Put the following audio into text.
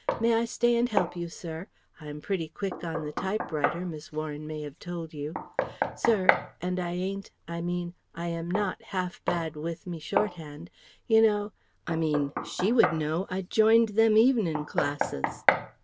May I stay and help you, Sir? I'm pretty quick on the typewriter, Miss Warren may have told you ... Sir ... and I ain't I mean I am not half bad with me shorthand.... You know I mean, she would know I'd joined them evenin' classes..."